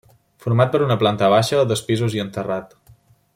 Format per una planta baixa, dos pisos i un terrat.